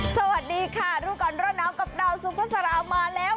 สวัสดีค่ะรุ่นก่อนร่อนน้ำกับดาวซุประสารามาแล้ว